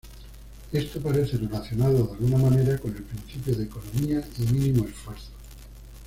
Esto parece relacionado de alguna manera con el principio de economía y mínimo esfuerzo.